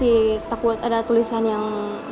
eh bangkuan men